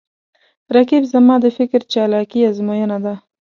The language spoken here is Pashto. رقیب زما د فکر چالاکي آزموینه ده